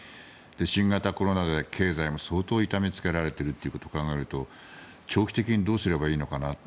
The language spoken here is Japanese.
新型コロナで経済も相当痛めつけられてるってことを考えると長期的にどうすればいいのかなと。